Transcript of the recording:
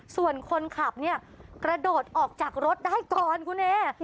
ส่วนคนขับเนี่ยกระโดดออกจากรถได้ก่อนคุณเอ